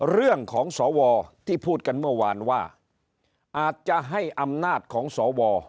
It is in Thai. สวที่พูดกันเมื่อวานว่าอาจจะให้อำนาจของสว